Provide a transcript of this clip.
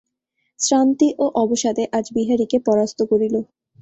শ্রান্তি ও অবসাদে আজ বিহারীকে পরাস্ত করিল।